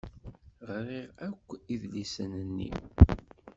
Ɣriɣ akk idlisen-nni.